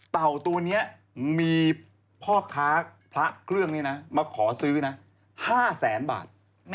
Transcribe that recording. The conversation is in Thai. เต่าตัวนี้มีพ่อค้าพระเครื่องนี้นะมาขอซื้อนะ๕แสนบาท